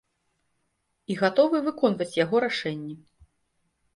І гатовы выконваць яго рашэнні.